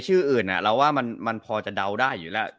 ชื่ออื่นเราว่ามันพอจะเดาได้อยู่แล้ว